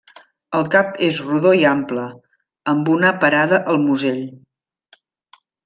El cap és rodó i ample, amb una parada al musell.